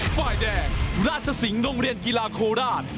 ฝ่ายแดงราชสิงห์โรงเรียนกีฬาโคราช